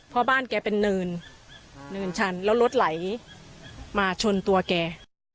เพราะบ้านแกเป็นเนินเนินชันแล้วรถไหลมาชนตัวแก